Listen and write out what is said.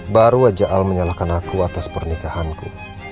baru aja al menyalahkan aku atas pernikahanku